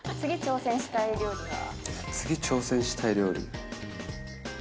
次、次、挑戦したい料理？